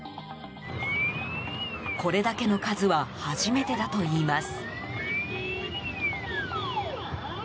これだけの数は初めてだといいます。